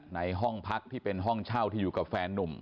ในห้องพักที่เป็นห้องเช่าที่อยู่กับแฟนนุ่ม